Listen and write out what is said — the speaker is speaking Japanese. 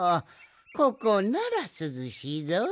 ここならすずしいぞい。